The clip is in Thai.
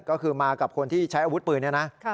ก็คือมากับคนที่ใช้อาวุธปืนเนี่ยนะ